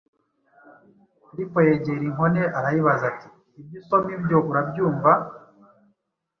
Filipo yegera inkone arayibaza ati: “Ibyo usoma ibyo urabyumva?